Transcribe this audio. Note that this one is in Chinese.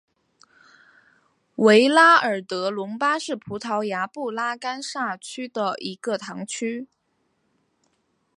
维拉尔德隆巴是葡萄牙布拉干萨区的一个堂区。